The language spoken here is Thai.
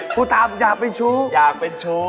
คุณตามไปอยากเป็นดกอยากเป็นดก